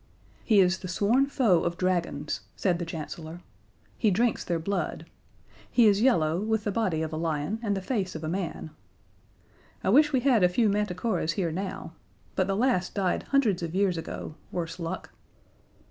"He is the sworn foe of Dragons," said the Chancellor. "He drinks their blood. He is yellow, with the body of a lion and the face of a man. I wish we had a few Manticoras here now. But the last died hundreds of years ago worse luck!"